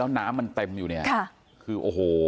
แล้วน้ำมันเต็มอยู่นี่คืออโห